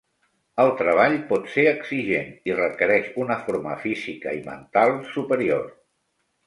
El treball pot ser exigent i requereix una forma física i mental superior.